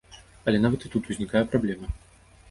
Але нават і тут узнікае праблема.